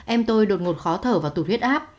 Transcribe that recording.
em tôi đột ngột khó thở và tụt huyết áp